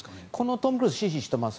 トム・クルーズ支持しています。